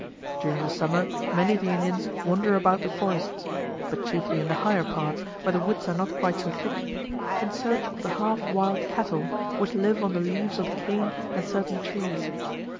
During the summer, many of the Indians wander about the forests (but chiefly in the higher parts, where the woods are not quite so thick) in search of the half wild cattle which live on the leaves of the cane and certain trees.